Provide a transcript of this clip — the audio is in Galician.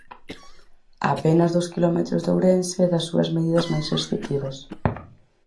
A apenas dous quilómetros de Ourense e das súas medidas máis restritivas.